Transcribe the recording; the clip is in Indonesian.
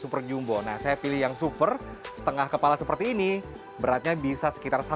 super jumbo nah saya pilih yang super setengah kepala seperti ini beratnya sekitar satu gram dan